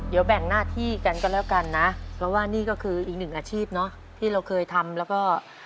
เดี๋ยวแบ่งหน้าที่กันก็แล้วกันนะเพราะว่านี่ก็คืออีกหนึ่งอาชีพเนอะที่เราเคยทำแล้วก็